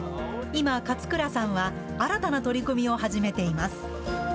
今、勝倉さんは、新たな取り組みを始めています。